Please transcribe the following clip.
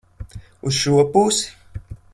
Uz šo pusi?